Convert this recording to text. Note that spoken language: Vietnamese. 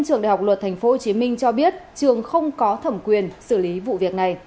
trường đại học luật thành phố hồ chí minh cho biết trường không có thẩm quyền xử lý vụ việc này